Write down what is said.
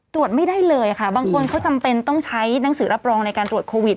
ตรวจไม่ได้เลยค่ะบางคนเขาจำเป็นต้องใช้หนังสือรับรองในการตรวจโควิด